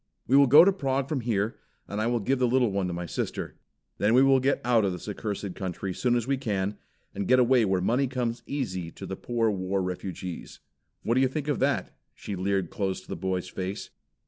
We will go to Prague from here and I will give the little one to my sister. Then we will get out of this accursed country soon as we can, and get away where money comes easy to the poor war refugees. What do you think of that?" She leered close to the boy's face.